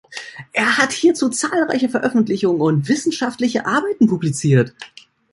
Er hat hierzu zahlreiche Veröffentlichungen und wissenschaftliche Arbeiten publiziert.